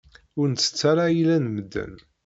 Ur nettett ara ayla n medden.